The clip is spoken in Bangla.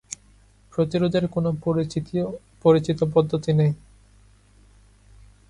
প্রতিরোধের কোনো পরিচিত পদ্ধতি নেই।